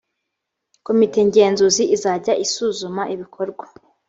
komite ngenzuzi izajya isuzuma ibikorwa